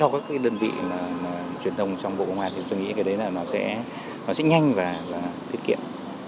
các đơn vị truyền thông trong bộ công an thì tôi nghĩ cái đấy là nó sẽ nhanh và thiết kiệm